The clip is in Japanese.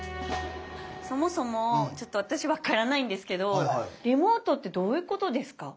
そもそもちょっと私分からないんですけどリモートってどういうことですか？